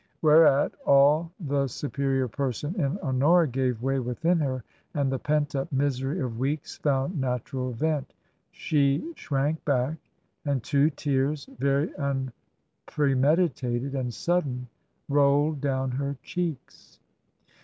Whereat all the " superior person" in Honora gave way within her and the pent up misery of weeks found natural vent. She shrank back, and two tears, very unpremedi tated and sudden, rolled down her cheeks.